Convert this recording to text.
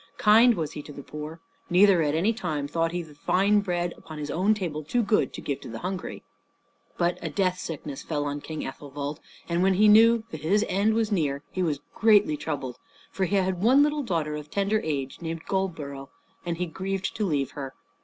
Kind was he to the poor, neither at any time thought he the fine bread upon his own table too good to give to the hungry. But a death sickness fell on King Athelwold, and when he knew that his end was near he was greatly troubled, for he had one little daughter of tender age, named Goldborough, and he grieved to leave her.